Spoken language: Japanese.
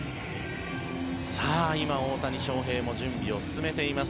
今、大谷翔平も準備を進めています。